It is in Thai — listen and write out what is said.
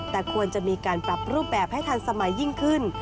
แต่ควรจะมีการปรับรูปแบบให้ทันสมัยยิ่งขึ้น